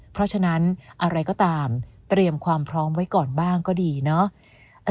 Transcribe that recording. เพราะฉะนั้นอะไรก็ตามเตรียมความพร้อมไว้ก่อนบ้างก็ดีเนาะ